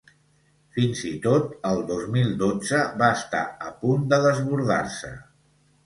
Fins i tot, el dos mil dotze, va estar a punt de desbordar-se.